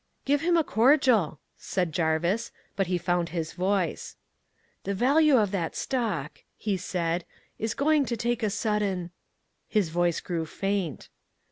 "'Give him a cordial,' said Jarvis. But he found his voice. "'The value of that stock,' he said, 'is going to take a sudden ' "His voice grew faint.